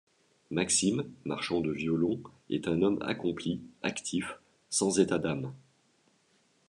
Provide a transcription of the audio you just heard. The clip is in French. Maxime, marchand de violons, est un homme accompli, actif, sans états d'âme.